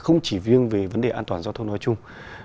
không chỉ riêng về vấn đề an toàn giao thông nói chung